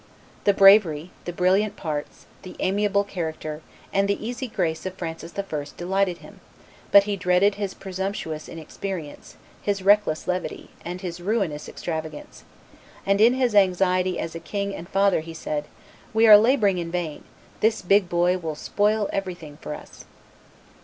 The bravery, the brilliant parts, the amiable character, and the easy grace of Francis I. delighted him, but he dreaded his presumptuous inexperience, his reckless levity, and his ruinous extravagance; and in his anxiety as a king and father he said, "We are laboring in vain; this big boy will spoil everything for us."